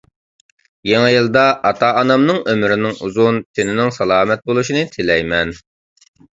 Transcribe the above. يېڭى يىلدا ئاتا-ئانامنىڭ ئۆمرىنىڭ ئۇزۇن، تېنىنىڭ سالامەت بولۇشىنى تىلەيمەن.